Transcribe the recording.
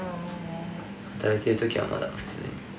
働いてるときはまだ普通に。